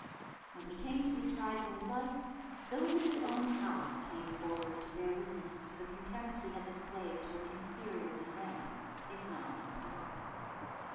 When he came to be tried for his life those of his own house came forward to bear witness to the contempt he had displayed towards inferiors in rank, if not in power.